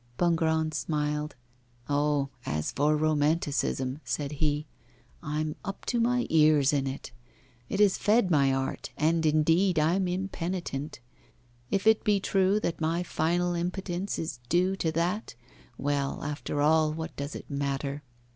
Bongrand smiled. 'Oh! as for romanticism,' said he, 'I'm up to my ears in it. It has fed my art, and, indeed, I'm impenitent. If it be true that my final impotence is due to that, well, after all, what does it matter?